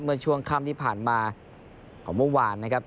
เมื่อช่วงค่ำที่ผ่านมาของเมื่อวานนะครับ